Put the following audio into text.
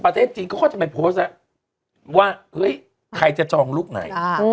ประเทศจีนเขาก็จะไปโพสต์แล้วว่าเฮ้ยใครจะจองลูกไหน